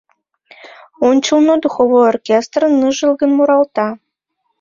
Ончылно духовой оркестр ныжылгын муралта.